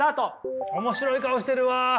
面白い顔してるわ。